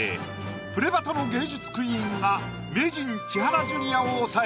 プレバトの芸術クイーンが名人千原ジュニアを抑え